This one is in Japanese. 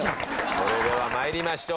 それでは参りましょう。